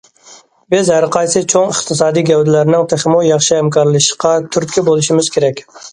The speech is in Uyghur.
بىز ھەر قايسى چوڭ ئىقتىسادى گەۋدىلەرنىڭ تېخىمۇ ياخشى ھەمكارلىشىشقا تۈرتكە بولۇشىمىز كېرەك.